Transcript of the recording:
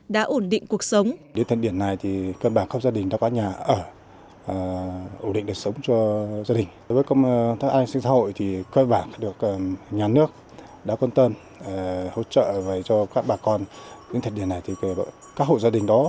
đã ổn định cuộc sống